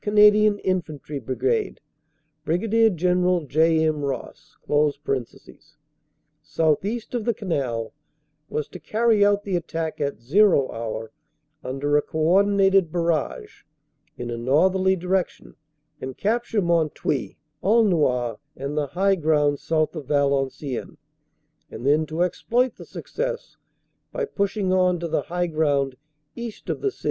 Canadian Infantry Brigade, Brig. General J. M. Ross), southeast of the Canal, was to carry out the attack at "zero" hour under a co ordinated barrage in a northerly direction and capture Mont Houy, Aulnoy, and the high ground south of Valenciennes, and then to exploit the success by pushing on to the high ground east of the city.